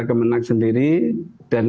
kemenang sendiri dan